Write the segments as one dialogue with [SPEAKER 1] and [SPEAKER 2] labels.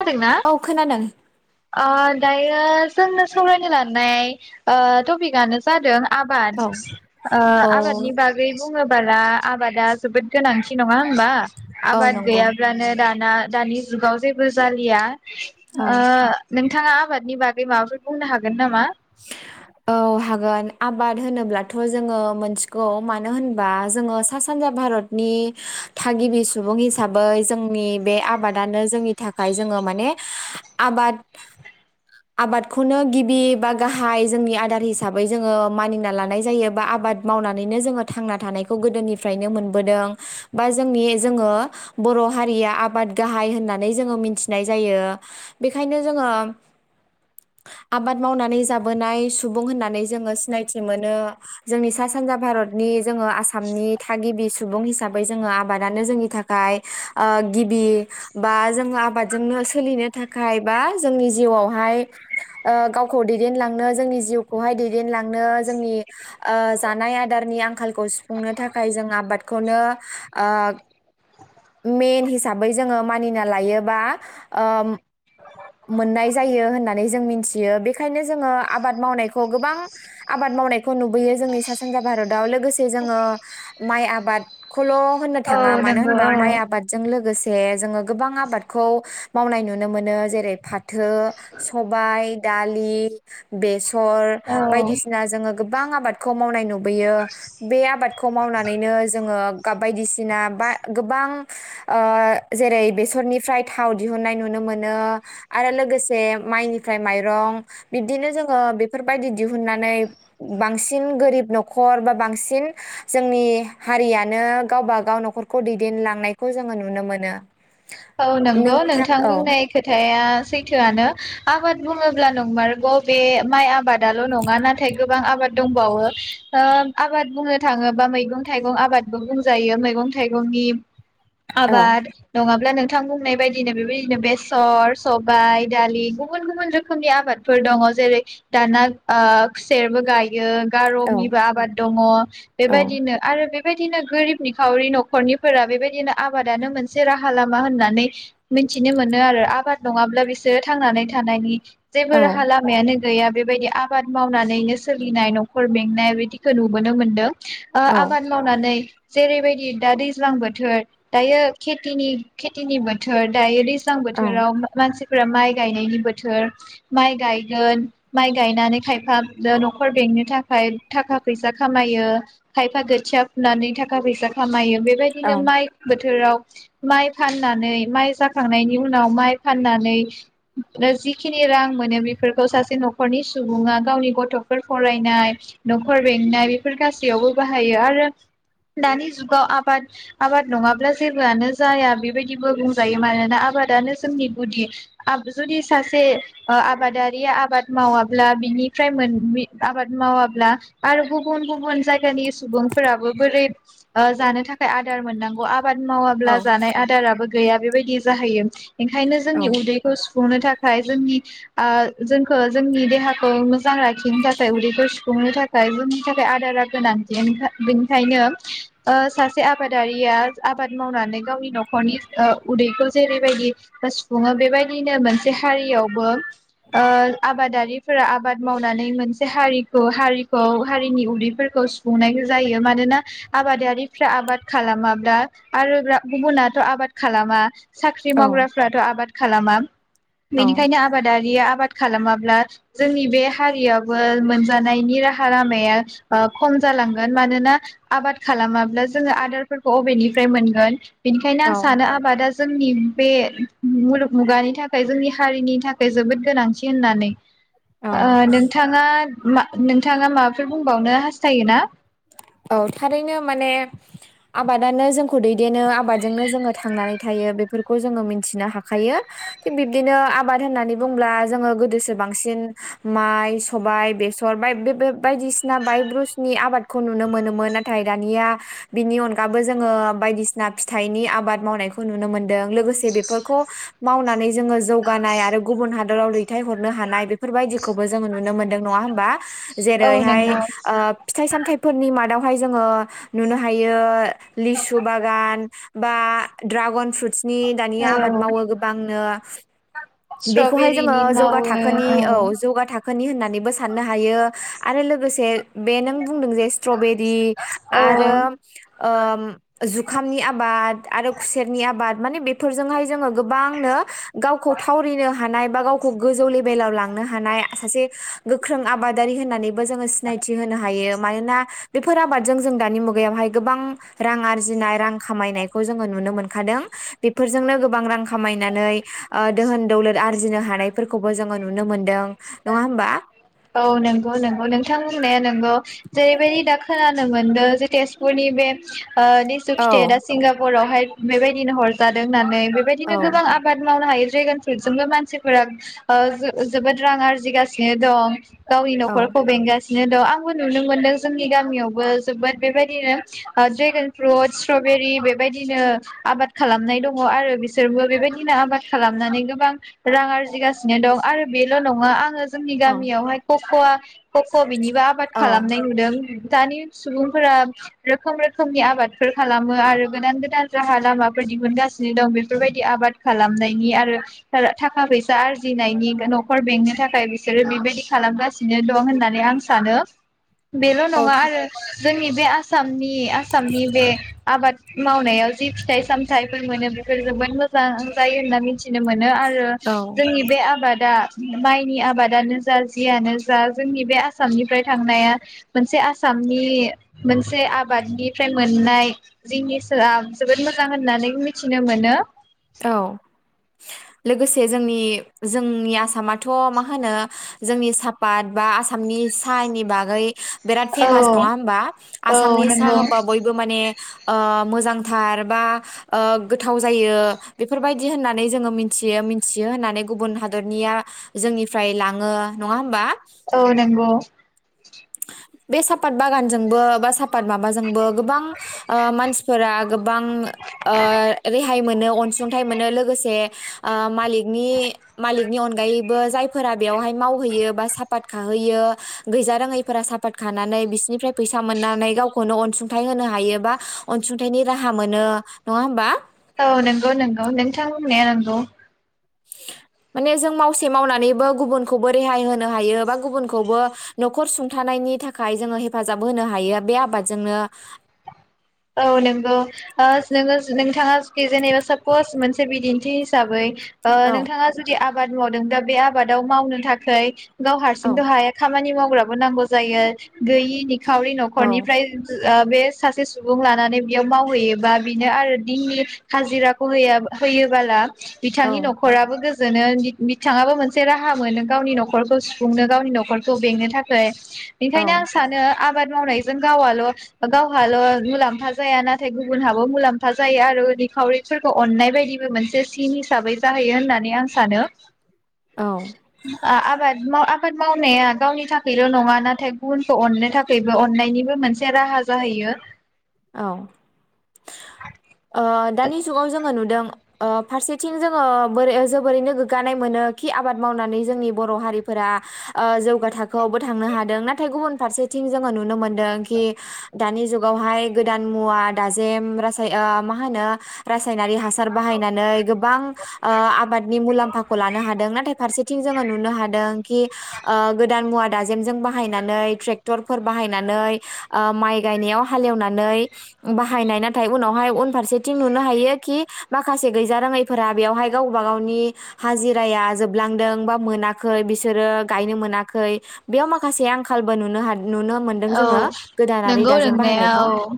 [SPEAKER 1] खोनादोंना
[SPEAKER 2] औ खोनादों।
[SPEAKER 1] ओ दायो जोंनो सावरायनो लानाय ओ टपिकआनो जादों। आबाद
[SPEAKER 2] औ
[SPEAKER 1] ओ
[SPEAKER 2] औ
[SPEAKER 1] आबादनि बागै बुङो। ब्ला आबादा जोबोद गोनांथि नङा। होनबा
[SPEAKER 2] औ
[SPEAKER 1] आबाद
[SPEAKER 2] नंगौ
[SPEAKER 1] गैयाब्लानो दा। दानि जुगाव जेबो जालिया
[SPEAKER 2] औ
[SPEAKER 1] आ नोंथाङा आबादनि बागै माबाफोर बुंनो हागोन नामा?
[SPEAKER 2] औ हागोन आबाद होनोब्लाथ' जोङो मोनथिगौ मानो होनबा जोङो सा सानजा भारतनि थागिबि सुबुं हिसाबै जोंनि बे आबादानो जोंनि थाखाय जोङो माने आबाद आबादखौनो गिबि बा गाहाय जोंनि आदार हिसाबै जोङो मानिना लानाय जायो बा आबाद मावनानैनो जोङो थांना थानायखौ गोदोनिफ्रायनो मोनबोदों बा जोंनि जोङो बर' हारिया आबाद गाहाय होननानै जोङो मिथिनाय जायो बेखायनो जोङो आबाद मावनानै जाबोनाय सुबुं होननानै जोङो सिनायथि मोनो जोंनि सा सानजा भारतनि जोङो आसामनि थागिबि सुबुं हिसाबै जोङो आबादानो जोंनि थाखाय ओ गिबि बा जों आबादजोंनो सोलिनो थाखाय बा जोंनि जिउआवहाय ओ गावखौ दै देनलांनो जोंनि जिउखौहाय दैदेनलांनो जोंनि ओ जानाय आदारनि आंखालखौ सुफुंनो थाखाय जों आबादखौनो ओ मेन हिसाबै जोङो मानिना लायोबा ओ मोननाय जायो होननानै जों मिनथियो बे ओंखायनो जोङो आबाद मावनायखौ गोबां आबाद मावनायखौ नुबोयो जोंनि सा सानजा भारताव लोगोसे जोङो माइ आबादखौल' होननो
[SPEAKER 1] औ
[SPEAKER 2] थाङा मानो
[SPEAKER 1] नंगौ
[SPEAKER 2] होनबा माइ
[SPEAKER 1] औ
[SPEAKER 2] आबादजों लो गोसे जोङो गोबां आबादखौ मावनाय नुनो मोनो जेरै फाथो सबाय दा लि बेसर
[SPEAKER 1] औ
[SPEAKER 2] बायदिसिना जोङो गोबां आबादखौ मावनाय नुबोयो बे आबादखौ मावनानैनो जोङो बायदिसिना बा गोबां ओ जेरै बेसरनिफ्राय थाव दिहुननाय नुनो मोनो आरो लोगोसे माइनिफ्राय माइरं बिबदिनो जोङो बेफोरबायदि दिहुननानै बांसिन गोरिब न'खर बा बांसिन जोंनि हारियानो गावबागाव न'खरखौ दैदेनलांनायखौ जोङो नुनो मोनो।
[SPEAKER 1] औ नंगौ नोंथां बुंनाय खोथाया सैथोआनो आबाद बुङोब्ला नंमारगौ बे माइ आबादाल' नङा नाथाय गोबां आबाद दंबावो ओ आबाद बुंनो थाङोबा मैगं थाइगं आबादबो बुंजायो मैगं थाइगंनि'
[SPEAKER 2] औ
[SPEAKER 1] आबाद नङा [inaudible] नोंथां बुंनाय बायदिनो बेबायदिनो बेसर सबाय दालि गुबुन गुबुन रोखोमनि आबादफोर दङ जेरै दाना खुसेरबो गायो।
[SPEAKER 2] औ
[SPEAKER 1] गारनिबो आबाद दङ
[SPEAKER 2] औ
[SPEAKER 1] बेबायदिनो आरो। बेबायदिनो गोरिब निखावरि न'खरनिफोरा बेबायदिनो आबादानो मोनसे राहा लामा। होननानै मिथिनो मोनो आरो आबाद नङाब्ला बिसोरो थांनानै थानायनि जेबो
[SPEAKER 2] औ
[SPEAKER 1] राहा लामायानो। गैया बेबायदि आबाद मावनानैनो सोलिनाय न'खर बेंनाय बिदिखौ नुबोनो मोनदों। आबाद मावनानै जेरैबायदि दा दैज्लां बोथोर दायो खेथिनि खेथिनि बोथोर दा दैज्लां
[SPEAKER 2] औ
[SPEAKER 1] बोथोराव मानसि फोरा माइ गायनायनि बोथोर माइ गायगोन माइ गायनानै खायफा न'खर बेंनो थाखाय थाखा फैसा खामायो खायफा खोथिया फुनानै थाखा फैसा खामायो।
[SPEAKER 2] औ
[SPEAKER 1] बेबायदिनो माइ बोथोराव। माइ फाननानै माइ जाखांनायनि उनाव माइ फाननानै जिखिनि रां मोनो बेफोरखौ सासे न'खरनि सुबुङा गावनि गथ'फोर फरायनाय न'खर बेंनाय बेफोर गासैयावबो बाहायो आरो दानि जुगाव आबाद आबाद नङाब्ला जेबोआनो जाया। बेबायदिबो बुंजायो मानोना आबादनो जोंनि गुदि जुदि सासे आबादारिया आबाद मावाब्ला बिनिफ्राय आबाद मावाब्ला आरो गुबुन गुबुन जायगानि सुबुंफोराबो बोरै जानो थाखाय आदार मोननांगौ। आबाद मावाब्ला जानाय आरो। गैया बेबायदि जाहैयो। ओंखायनो जोंनि उदैखौ। सुफुंनो थाखाय जोंनि जोंखौ जोंनि देहाखौ मोजां लाखिनो थाखाय उदैखौ सुफुंनो थाखाय जोंनि थाखाय आदारा गोनांथि बेनिखायनो सासे आबादारिया आबाद मावनानै गावनि न'खर नखरनि उदैखौ जेरैबायदि सुफुङो बेबायदिनो मोनसे हारियावबो। ओ आबादारि फोरा आबाद मावनानै मोनसे हारिखौ हारिखौ हारिनि उदैफोरखौ सुफुंनाय जायो मानोना आबादारिफ्रा आबाद खालामाब्ला आरो गुबुना गुबुनाथ' आबाद खालामा साख्रि मावग्राफ्राथ' आबाद खालामा बेनिखायनो आबादारिया आबाद खालामाब्ला जोंनि बे हारियावबो मोनजानायनि राहा लामाया खम जालांगोन मानोना आबाद खालामाब्ला जोङो आदारफोरखौ बबेनिफ्राय मोनगोन ओंखायनो
[SPEAKER 2] औ
[SPEAKER 1] आं सानो आबादा जोंनि बे मुलुग मुगानि थाखाय जोंनि हारिनि थाखाय जोबोद गोनांथि होननानै
[SPEAKER 2] औ
[SPEAKER 1] नोंथाङा नोंथाङा माबाफोर बुंबावनो हास्थायोना
[SPEAKER 2] औ थारैनो माने आबादानो जोंखौ दैदेनो आबादजोंनो जोङो थांनानै थायो बेफोरखौ जोङो मिथिनो हाखायो थिग बिब्दिनो आबाद होननानै बुंब्ला जोङो गोदोसो बांसिन माइ सबाय बेसर बाय बे बायदिसिना बायब्रुसनि आबाद खौ नुनो मोनोमोन नाथाय दानिया बिनि अनगाबो जोङो बायदिसिना फिथाइनि आबाद मावनायखौ नुनो मोनदों लोगोसे बेफोरखौ मावनानै जोङो जौगानाय आरो गुबुन हादराव दैथायहरनो हानाय बेफोरबायदिखौबो जोङो नुनो मोनदों नङा होमबा
[SPEAKER 1] औ
[SPEAKER 2] जेरैहाय
[SPEAKER 1] नंगौ
[SPEAKER 2] फिथाइ सामथाइनि मादावहाय जोङो नुनो हायो लिसु बागान बा ड्रागन फ्रुट नोंसिनि दानि
[SPEAKER 1] औ
[SPEAKER 2] आबाद मावो गोबांनो बेखौहाय जोङो
[SPEAKER 1] स्ट्रबेरिनि
[SPEAKER 2] जौगा
[SPEAKER 1] मावो
[SPEAKER 2] थाखोनि औ जौगा थाखो थाखोनि होननानैबो साननो हायो आरो लोगोसे बे नों बुंदों जे स्ट्रबेरि आरो
[SPEAKER 1] औ
[SPEAKER 2] जुखामनि आबाद आरो खुसेरनि आबाद माने बेफोरजोंहाय जोङो गोबांनो गावखौ थावरिनो हानाय बा गावखौ गोजौ लेभेल बेलाव लांनो हानाय सासे गोख्रों आबादारि होननानैबो जोङो सिनायथि होनो हायो मानोना
[SPEAKER 1] औ
[SPEAKER 2] बेफोर आबादजों जों दानि मुगायावहाय गोबां रां आरजिनाय रां खामायनायखौ जोङो नुनो मोनखादों बेफोरजोंनो गोबां रां खामायनानै दोहोन दौलद आरजिनो हानायफोरखौबो जोङो नुनो मोनदों नङा होमबा
[SPEAKER 1] औ नंगौ नंगौ नोंथां बुंनाया नंगौ जेरैबायदि दा खोनानो मोनदों जे तेजपुरनि बे ओ लेसु
[SPEAKER 2] औ
[SPEAKER 1] फिथाइआ दा सिंगापुरावहाय बेबायदिनो हरजादों होननानै
[SPEAKER 2] औ
[SPEAKER 1] बेबायदिनो गोबां आबाद मावनो हायो ड्रेगन फ्रुइट जोंबो मानसिफोरा जोबोद रां आरजिगासिनो दं गावनि
[SPEAKER 2] औ
[SPEAKER 1] न'खरखौ बेंगासिनो नो दं आंबो नुनो मोनदों जोंनि गामियावबो जोबोद बेबायदिनो ड्रेगन फ्रुट स्ट्रबेरि बेबायदिनो आबाद खालामनाय दङ आरो बिसोरबो बेबायदिनो आबाद खालामनानै गोबां रां आरजिगासिनो दं आरो बेल' नङा आङो जोंनि
[SPEAKER 2] औ
[SPEAKER 1] गामियावहाय ककवा कक बिनिबो आबाद
[SPEAKER 2] औ
[SPEAKER 1] खालामनाय नुदों। दानि सुबुंफोरा रोखोम रोखोमनि आबादफोर खालामो आरो गोदान गोदान राहा लामाफोर दिहुनगासिनो दं बेफोरबायदि आबाद खालामनायनि आरो थाखा फैसा आरजिनायनि न'खर बेंनो थाखाय बिसोरो बेबायदि खालामगासिनो दं होननानै आं सानो। बेल'
[SPEAKER 2] औ
[SPEAKER 1] नङा
[SPEAKER 2] था
[SPEAKER 1] आरो। जोंनि बे आसाम आसामनि आसामनि बे आबाद। मावनायाव जि फिथाइ सामथाइफोर मोनो बेफोर जोबोद मोजां जायो होनना मिथिनो मोनो आरो। आरो
[SPEAKER 2] औ
[SPEAKER 1] जोंनि बे आबादा माइनि आबादानो जा जियानो जा जोंनि बे आसामनिफ्राय थांनाया मोनसे आसामनि मोनसे आबादनिफ्राय मोननाय जिनिसाआ जोबोद मोजां होननानै मिथिनो मोनो।
[SPEAKER 2] औ लोगोसे जोंनि जोंनि आसामाथ' मा होनो जोंनि सापात बा आसामनि साहानि बागै बिराद
[SPEAKER 1] औ
[SPEAKER 2] फेमास नङा होमबा
[SPEAKER 1] औ
[SPEAKER 2] आसामनि सा
[SPEAKER 1] नंगौ
[SPEAKER 2] होनबा बयबो माने मोजांथार बा गोथाव जायो। बेफोरबायदि होननानै जोङो मिथियो मिथियो होननानै गुबुन हादरनिया जोंनिफ्राय लाङो नङा होमबा?
[SPEAKER 1] औ नंगौ। [inaudible]
[SPEAKER 2] बे सापात बागानजोंबो बा सापात माबाजोंबो गोबां ओ मानसिफोरा गोबां ओ रेहाय मोनो अनसुंथाइ मोनो लोगोसे। ओ मालिकनि मालिकनि अनगायैबो जायफोरा बेयावहाय मावहैयो बा सापात खाहैयो गैजा रोङै फोरा सापात खानानै बिसिरनिफ्राय फैसा मोननानै गावखौनो अनसुंथाइ होनो हायो बा अनसुंथाइनि राहा मोनो नङा होमबा?
[SPEAKER 1] औ नंगौ नंगौ नोंथां होननाया नंगौ।
[SPEAKER 2] माने जों मावसे मावनानैबो गुबुनखौबो रेहाय होनो हायो बा गुबुनखौबो न'खर सुंथानायनि थाखाय जोङो हेफाजाब होनो हायो बे आबादजोंनो
[SPEAKER 1] औ नंगौ ओ नोङो नोंथाङा जेनेबा सापस मोन से बिदिनथि हिसाबै ओ
[SPEAKER 2] औ
[SPEAKER 1] नोंथाङा जुदि आबाद मावदों दा बे आबादाव मावनो थाखै गाव
[SPEAKER 2] औ
[SPEAKER 1] हारसिंथ' हाया खामानि माव ग्राबो नांगौ जायो गोयैनि निखावरि
[SPEAKER 2] औ
[SPEAKER 1] न'खरनिफ्राय आ बे सासे सुबुं लानानै बेयाव मावहैयोबा बिनो आरो दिननि खाजिराखौ होय होयोबोला।
[SPEAKER 2] औ
[SPEAKER 1] बिथांनि न'खराबो गो जोनो बिथाङाबो मोनसे राहा मोनो गावनि न'खरखौ सुफुंनो गावनि न'खरखौ बेंनो थाखाय
[SPEAKER 2] औ
[SPEAKER 1] बेखायनो आं सानो आबाद मावनायजों गावाल' गावहाल' मुलामफा जाया नाथाय गुबुनहाबो मुलामफा जाया आरो निखावरिफोरखौ अननाय बायदिबो मोनसे सिन हिसाबै जाहैयो होननानै आं सानो
[SPEAKER 2] औ
[SPEAKER 1] आबाद आबाद मावनाया गावनि थाखायल' नङा नाथाय गुबुनखौ अननो थाखायबो अननायनिबो मोनसे राहा जाहैयो
[SPEAKER 2] औ ओ दानि जुगाव जोङो नुदों ओ फारसेथिं जोङो बोरै जोबोरैनो गोगगानाय मोनो खि आबाद मावनानै जोंनि बर' हारिफोरा ओ जौगा थाखोआवबो थांनो हादों नाथाय गुबुन फारसेथिं जोङो नुनो मोनदों खि दानि जुगावहाय गोदान मुवा दाजेम रासाय ओ मा होनो रा सायनारि हासार बाहायनानै गोबां ओ आबादनि मुलामफाखौ लानो हादों नाथाइ फारसे थिं जोङो नुनो हादों कि ओ गोदान मुवा दाजेमजों बाहायनानै ट्रेक्टर फोर बाहायनानै ओ माइ गायनायाव हालेवना नै बाहायनाय नाथाइ उनावहाय उनफारसेथिं नुनो हायो कि माखासे गैजारोङैफोरा बेवहाय गावबा गावनि हाजिराया जोबलादों बा मोनाखै बिसोरो गायनो मोनाखै बेयाव माखासे आंलबो नुनो हा नुनो मोनदों
[SPEAKER 1] औ
[SPEAKER 2] जोङो गोदानारि
[SPEAKER 1] नंगौ
[SPEAKER 2] दाजेम
[SPEAKER 1] नोंनाया
[SPEAKER 2] बाहायनायखौ
[SPEAKER 1] औ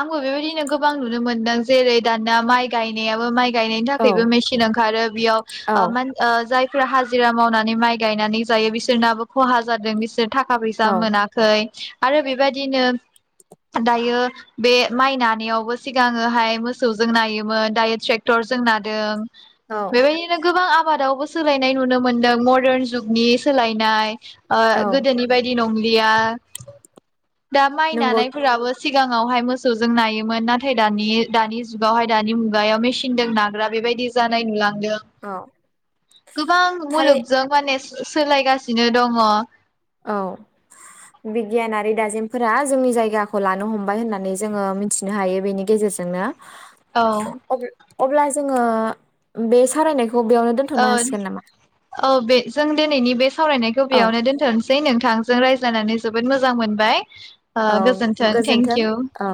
[SPEAKER 1] आंबो बेबायदिनो गोबां नुनो मोनदों जेरै दानिया माइ गायनायाबो माइ गाइनायनि थाखायबो
[SPEAKER 2] औ
[SPEAKER 1] मेसिन ओंखारो बेयाव ओ
[SPEAKER 2] औ
[SPEAKER 1] मा ओ जाय हाजिरा मावनानै माइ गायनानै जायो बिसोरनाबो खहा जादों बिसोर थाखा फैसा
[SPEAKER 2] औ
[SPEAKER 1] मोनाखै आरो बेबायदिनो दायो दायो बे माइ नानायावबो सिगाङोहाय मोसौजों नायोमोन दायो ट्रेक्टरजों नादों बेबायदिनो गोबां आबादावबो सोलायनाय नुनो मोन्दों मदार्न जुगनि सोलायनाय
[SPEAKER 2] औ
[SPEAKER 1] गोदोनि बायदि नंलिया [inaudible] दा माइ
[SPEAKER 2] नंगौ
[SPEAKER 1] नानायफोराबो सिगाङावहाय मोसौजों नायोमोन नाथाय दानि जुगावहाय दानि मुगायाव मेसिनजों नाग्रा बेबायदि जानाय नुलाङो गोबां
[SPEAKER 2] थारै
[SPEAKER 1] मुलुगजों माने सोलायगासिनो दङ
[SPEAKER 2] औ बिगियानारि दाजेमफोरा जोंनि जायगाखौ लानो हमबाय होननानै जोङो मिथिनो हायो बेनि गेजेरजोंनो
[SPEAKER 1] औ
[SPEAKER 2] अब- अब्ला जोङो बे सावरायनायखौ बेयावनो दोनथ'नो हासिगोन नामा
[SPEAKER 1] औ बे जों दिनैनि बे सावरायनायखौ
[SPEAKER 2] औ
[SPEAKER 1] बेयावनो दोनथ'नोसै नोंथां थांजों रायज्लायानानै जोबोद मोजां मोनबाय ओ
[SPEAKER 2] औ
[SPEAKER 1] थेंक
[SPEAKER 2] गोजोन्थों
[SPEAKER 1] इउ
[SPEAKER 2] औ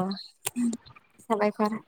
[SPEAKER 2] साबायखर